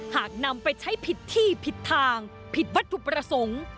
หากนำไปใช้ผิดที่ผิดทางผิดวัตถุประสงค์